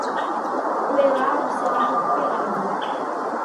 O erário será recuperado